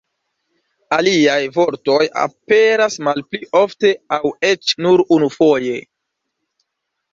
Aliaj vortoj aperas malpli ofte, aŭ eĉ nur unufoje.